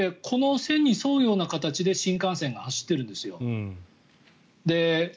この線に沿うような形で新幹線が走っているんですよ。